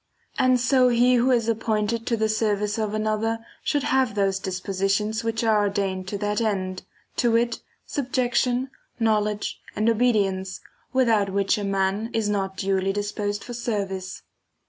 And so he who is appointed to the service of another should have those dispositions which are ordained to that end, to wit subjec a, ^, 7. tion, knowledge, and obedience, without which a man is not duly disposed for service.